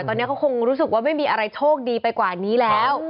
ตอนนี้เขาคงรู้สึกว่าไม่มีอะไรโชคดีไปกว่านี้แล้ว